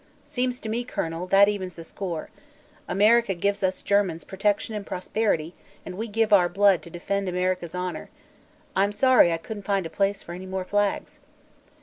Seems to me, Colonel, that evens the score. America gives us Germans protection and prosperity, and we give our blood to defend America's honor. I'm sorry I couldn't find a place for any more flags."